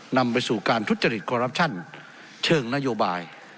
นำไปสู่การทุจริตคอรัปชั่นเชิงนโยบาย